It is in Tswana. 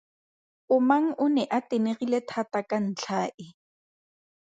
Omang o ne a tenegile thata ka ntlha e.